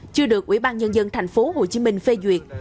chưa được ủy ban nhân dân tp hcm phê duyệt